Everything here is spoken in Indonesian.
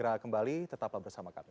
bergerak kembali tetap bersama kami